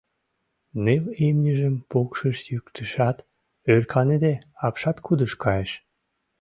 Ныл имньыжым пукшыш-йӱктышат, ӧрканыде, апшаткудыш кайыш.